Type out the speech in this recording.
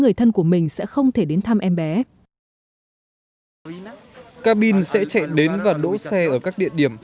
người thân của mình sẽ không thể đến thăm em bé cabin sẽ chạy đến và đỗ xe ở các địa điểm